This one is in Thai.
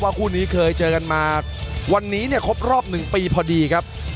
คู่นี้เคยเจอกันมาวันนี้เนี่ยครบรอบ๑ปีพอดีครับ